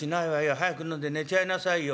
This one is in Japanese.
早く飲んで寝ちゃいなさいよ」。